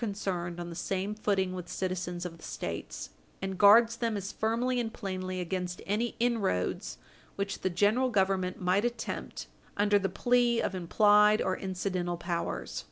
451 concerned, on the same footing with citizens of the States, and guards them as firmly and plainly against any inroads which the General Government might attempt under the plea of implied or incidental powers.